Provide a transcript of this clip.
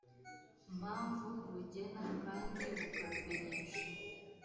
mpamvu bugena kandi bukabimenyesha